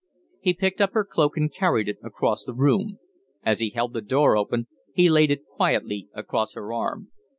He picked up her cloak and carried it across the room. As he held the door open, he laid it quietly across her arm.